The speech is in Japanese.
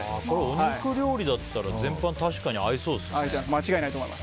お肉料理だったら全般、確かに合いそうですね。